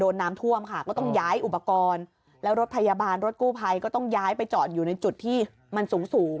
น้ำท่วมค่ะก็ต้องย้ายอุปกรณ์แล้วรถพยาบาลรถกู้ภัยก็ต้องย้ายไปจอดอยู่ในจุดที่มันสูงสูง